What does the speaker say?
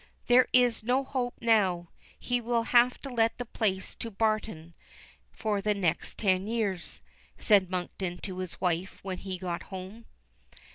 "There is no hope now. He will have to let the place to Barton for the next ten years," said Monkton to his wife when he got home.